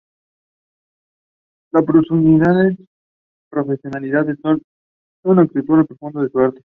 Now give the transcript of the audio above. La profesionalidad de Thad Jones acentuó la profundidad de su arte.